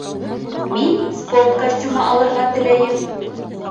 Мин спорт костюмы алырға теләйем.